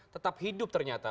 tetap hidup ternyata